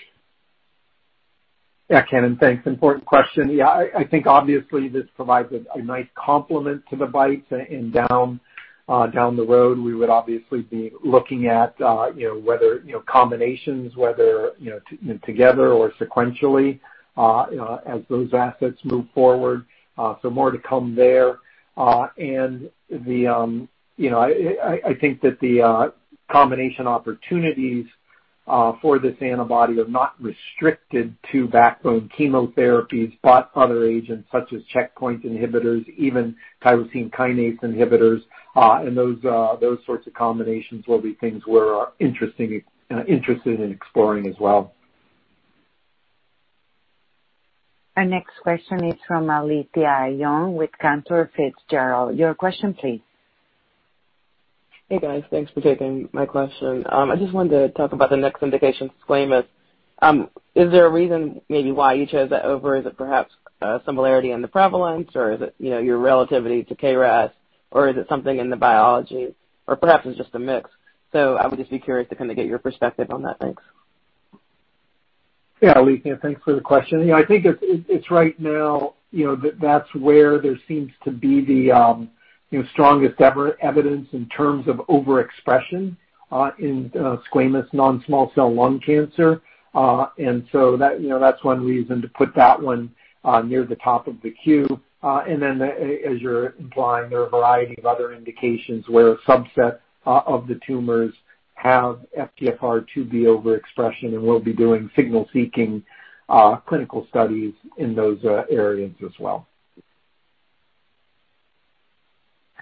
Speaker 4: Kennen, thanks. Important question. I think obviously this provides a nice complement to the BiTEs. Down the road, we would obviously be looking at whether combinations, whether together or sequentially, as those assets move forward. More to come there. I think that the combination opportunities for this antibody are not restricted to backbone chemotherapies, but other agents such as checkpoint inhibitors, even tyrosine kinase inhibitors. Those sorts of combinations will be things we're interested in exploring as well.
Speaker 1: Our next question is from Alethia Young with Cantor Fitzgerald. Your question, please.
Speaker 18: Hey, guys. Thanks for taking my question. I just wanted to talk about the next indication, squamous. Is there a reason maybe why you chose that over? Is it perhaps similarity in the prevalence, or is it your relativity to KRAS, or is it something in the biology, or perhaps it's just a mix? I would just be curious to kind of get your perspective on that. Thanks.
Speaker 4: Yeah, Alethia, thanks for the question. I think it's right now that's where there seems to be the strongest ever evidence in terms of overexpression in squamous non-small cell lung cancer. That's one reason to put that one near the top of the queue. As you're implying, there are a variety of other indications where a subset of the tumors have FGFR2b overexpression, and we'll be doing signal-seeking clinical studies in those areas as well.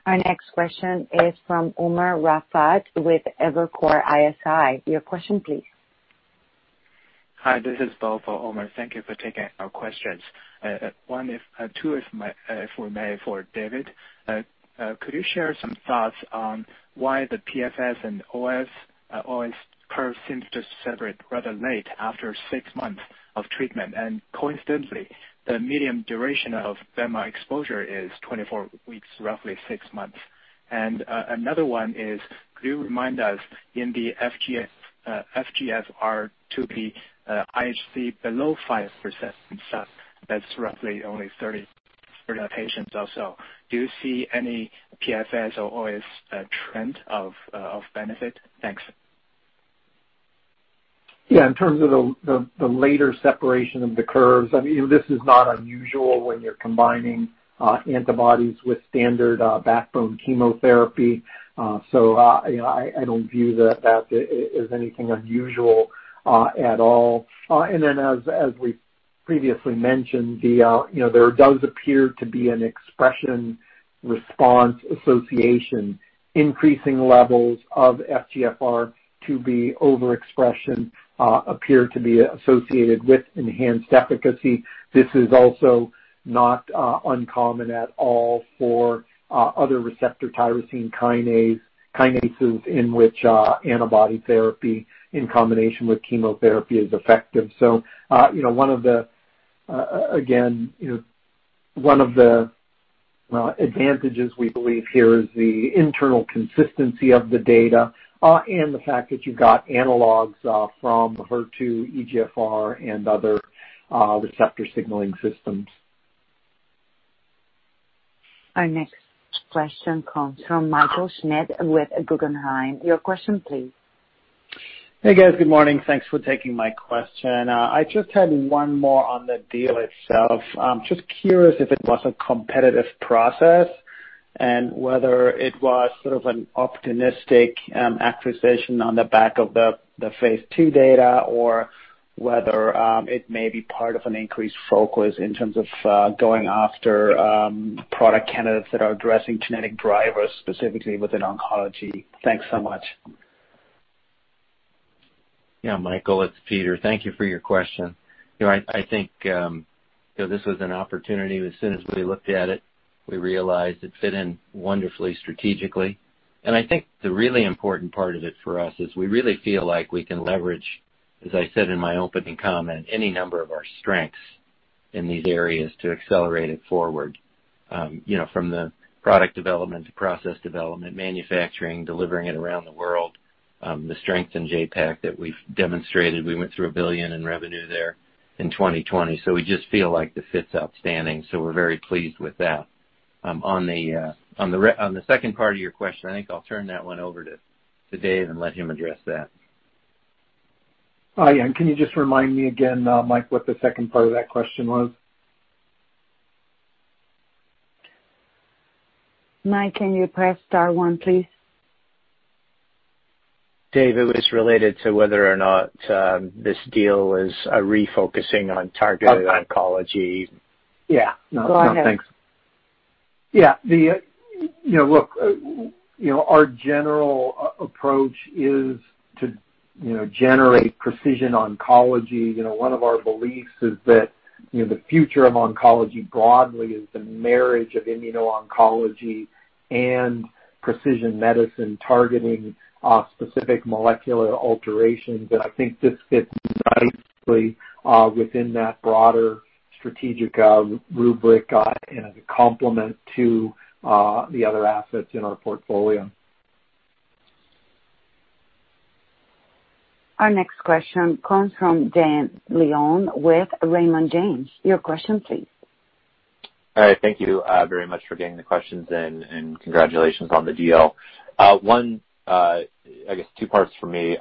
Speaker 1: Our next question is from Umer Raffat with Evercore ISI. Your question, please.
Speaker 19: Hi, this is Bo for Umer. Thank you for taking our questions. Two, if I may, for David. Could you share some thoughts on why the PFS and OS curve seems to separate rather late after six months of treatment? Coincidentally, the medium duration of bemarituzumab exposure is 24 weeks, roughly six months. Another one is, could you remind us in the FGFR2b IHC below 5% and stuff, that's roughly only 30% for the patients also. Do you see any PFS or OS trend of benefit? Thanks.
Speaker 4: Yeah, in terms of the later separation of the curves, this is not unusual when you're combining antibodies with standard backbone chemotherapy. I don't view that as anything unusual at all. As we previously mentioned, there does appear to be an expression response association, increasing levels of FGFR2b overexpression appear to be associated with enhanced efficacy. This is also not uncommon at all for other receptor tyrosine kinases in which antibody therapy in combination with chemotherapy is effective. Again, one of the advantages we believe here is the internal consistency of the data and the fact that you've got analogs from HER2, EGFR, and other receptor signaling systems.
Speaker 1: Our next question comes from Michael Schmidt with Guggenheim. Your question please.
Speaker 20: Hey, guys. Good morning. Thanks for taking my question. I just had one more on the deal itself. Just curious if it was a competitive process and whether it was sort of an opportunistic acquisition on the back of the phase II data or whether it may be part of an increased focus in terms of going after product candidates that are addressing genetic drivers specifically within oncology. Thanks so much.
Speaker 3: Michael, it's Peter. Thank you for your question. I think this was an opportunity, as soon as we looked at it, we realized it fit in wonderfully strategically. I think the really important part of it for us is we really feel like we can leverage, as I said in my opening comment, any number of our strengths in these areas to accelerate it forward. From the product development to process development, manufacturing, delivering it around the world, the strength in JPAC that we've demonstrated, we went through $1 billion in revenue there in 2020. We just feel like the fit's outstanding, so we're very pleased with that. On the second part of your question, I think I'll turn that one over to Dave and let him address that.
Speaker 4: Hi, can you just remind me again, Mike, what the second part of that question was?
Speaker 1: Mike, can you press star one, please?
Speaker 20: Dave, it was related to whether or not this deal was a refocusing on targeted oncology.
Speaker 4: Yeah.
Speaker 1: Go ahead.
Speaker 4: Yeah. Look, our general approach is to generate precision oncology. One of our beliefs is that the future of oncology broadly is the marriage of immuno-oncology and precision medicine targeting specific molecular alterations. I think this fits nicely within that broader strategic rubric as a complement to the other assets in our portfolio.
Speaker 1: Our next question comes from Dane Leone with Raymond James. Your question please.
Speaker 21: All right. Thank you very much for taking the questions and congratulations on the deal. I guess two parts for me.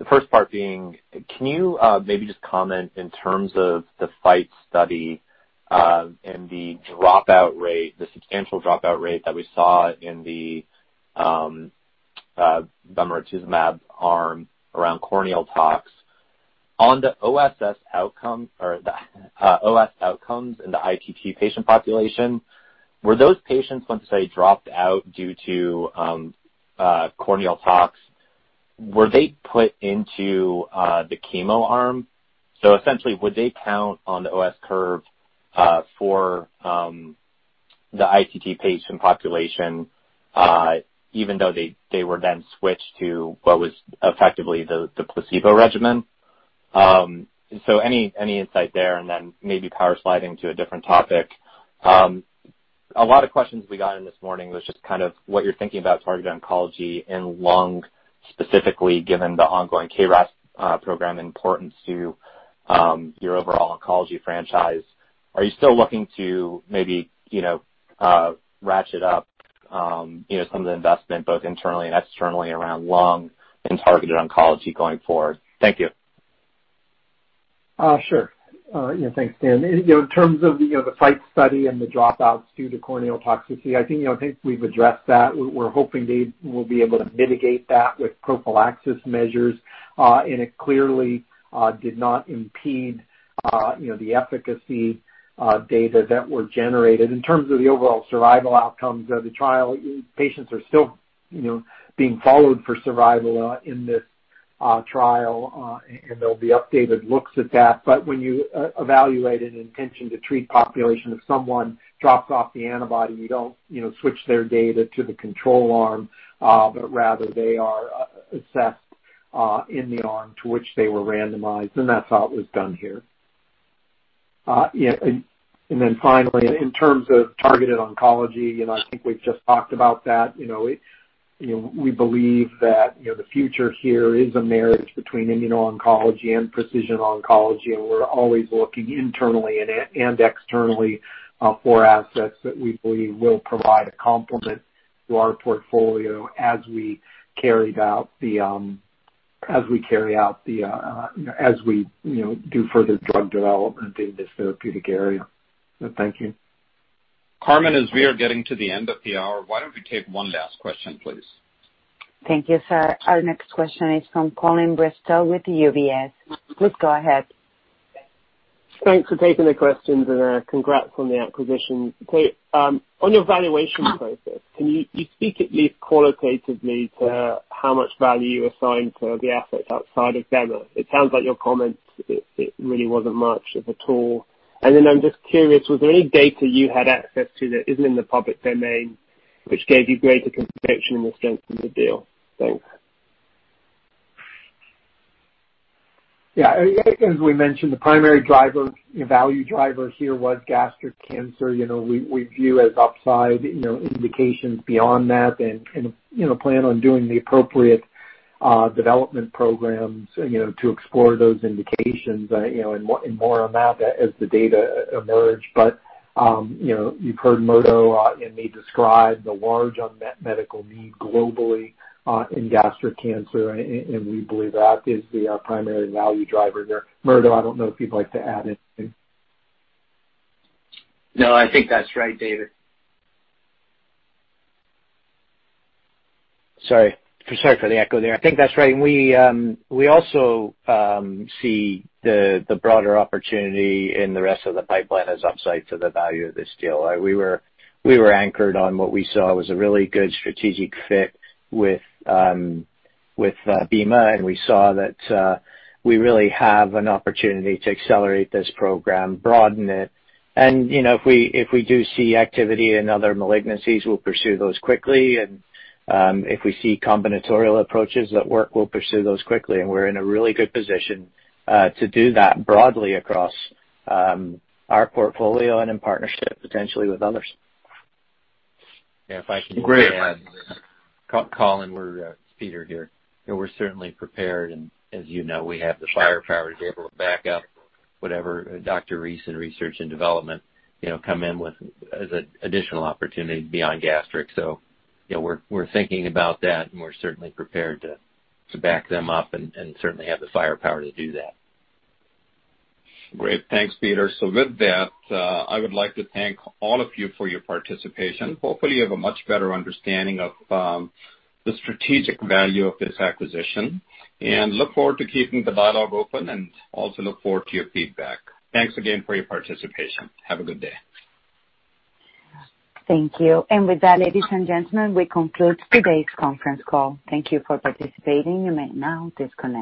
Speaker 21: The first part being, can you maybe just comment in terms of the FIGHT study and the substantial dropout rate that we saw in the bemarituzumab arm around corneal tox. On the OS outcomes in the ITT patient population, were those patients, once they dropped out due to corneal tox, were they put into the chemo arm? Essentially would they count on the OS curve for the ITT patient population even though they were then switched to what was effectively the placebo regimen? Any insight there, and then maybe power sliding to a different topic. A lot of questions we got in this morning was just what you're thinking about targeted oncology in lung, specifically given the ongoing KRAS program importance to your overall oncology franchise. Are you still looking to maybe ratchet up some of the investment both internally and externally around lung and targeted oncology going forward? Thank you.
Speaker 4: Sure. Thanks, Dane. In terms of the FIGHT study and the dropouts due to corneal toxicity, I think we've addressed that. We're hoping they will be able to mitigate that with prophylaxis measures. It clearly did not impede the efficacy data that were generated. In terms of the overall survival outcomes of the trial, patients are still being followed for survival in this trial, and there'll be updated looks at that. When you evaluate an intention-to-treat population, if someone drops off the antibody, you don't switch their data to the control arm, but rather they are assessed in the arm to which they were randomized, and that's how it was done here. Finally, in terms of targeted oncology, I think we've just talked about that. We believe that the future here is a marriage between immuno-oncology and precision oncology, and we're always looking internally and externally for assets that we believe will provide a complement to our portfolio as we do further drug development in this therapeutic area. Thank you.
Speaker 2: Carmen, as we are getting to the end of the hour, why don't we take one last question, please?
Speaker 1: Thank you, sir. Our next question is from Colin Bristow with the UBS. Please go ahead.
Speaker 22: Thanks for taking the questions. Congrats on the acquisition. On your valuation process, can you speak at least qualitatively to how much value you assigned to the assets outside of BEMA? It sounds like your comments, it really wasn't much of a tool. I'm just curious, was there any data you had access to that isn't in the public domain which gave you greater conviction and strengthened the deal? Thanks.
Speaker 4: Yeah. As we mentioned, the primary value driver here was gastric cancer. We view as upside indications beyond that and plan on doing the appropriate development programs to explore those indications, and more on that as the data emerge. You've heard Murdo and me describe the large unmet medical need globally in gastric cancer, and we believe that is the primary value driver there. Murdo, I don't know if you'd like to add anything.
Speaker 7: No, I think that's right, David. Sorry for the echo there. I think that's right. We also see the broader opportunity in the rest of the pipeline as upside to the value of this deal. We were anchored on what we saw was a really good strategic fit with BEMA, and we saw that we really have an opportunity to accelerate this program, broaden it. If we do see activity in other malignancies, we'll pursue those quickly. If we see combinatorial approaches that work, we'll pursue those quickly. We're in a really good position to do that broadly across our portfolio and in partnership potentially with others.
Speaker 2: Yeah, if I can-
Speaker 4: Great.
Speaker 3: Colin, it's Peter here. We're certainly prepared, and as you know, we have the firepower to be able to back up whatever Dr. Reese in Research and Development come in with as an additional opportunity beyond gastric. We're thinking about that, and we're certainly prepared to back them up and certainly have the firepower to do that.
Speaker 4: Great. Thanks, Peter. With that, I would like to thank all of you for your participation. Hopefully, you have a much better understanding of the strategic value of this acquisition, and look forward to keeping the dialogue open and also look forward to your feedback. Thanks again for your participation. Have a good day.
Speaker 1: Thank you. With that, ladies and gentlemen, we conclude today's conference call. Thank you for participating. You may now disconnect.